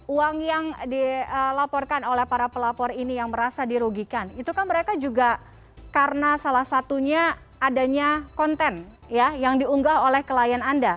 uang yang dilaporkan oleh para pelapor ini yang merasa dirugikan itu kan mereka juga karena salah satunya adanya konten yang diunggah oleh klien anda